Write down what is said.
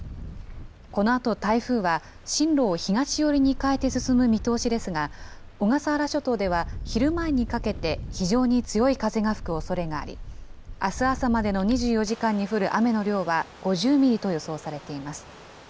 このあと台風は進路を東寄りに変えて進む見通しですが、小笠原諸島では、昼前にかけて非常に強い風が吹くおそれがあり、あす朝までの２４時間に降る雨の量は５０ミリと予想されています。